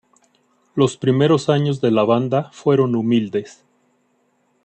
Los primeros años de la banda fueron humildes.